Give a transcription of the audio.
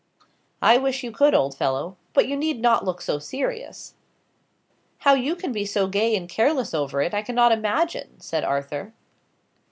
"I wish you could, old fellow. But you need not look so serious." "How you can be so gay and careless over it, I cannot imagine," said Arthur.